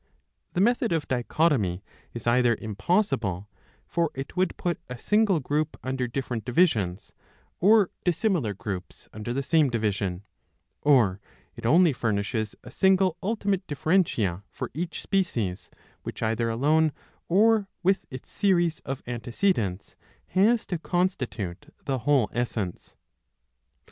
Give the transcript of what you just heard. The method of dichotomy is either impossible (for it would put a single group under different divisions or dissimilar groups under the same division) ; or it only furnishes a single ultimate differentia for each species, which either alone or with its series of antecedents has to constitute the whole essence.